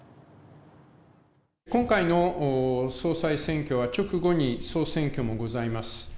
今回の総裁選挙は、直後に総選挙もございます。